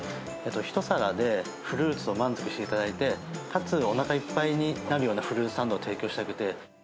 一皿でフルーツを満足していただいて、かつおなかいっぱいになるようなフルーツサンドを提供したくて。